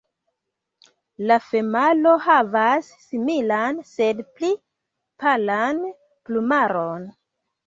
La femalo havas similan, sed pli palan plumaron.